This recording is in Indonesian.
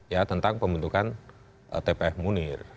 dua ribu empat ya tentang pembentukan tph munir